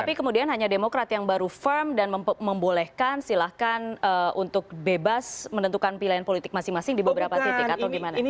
tapi kemudian hanya demokrat yang baru firm dan membolehkan silahkan untuk bebas menentukan pilihan politik masing masing di beberapa titik atau gimana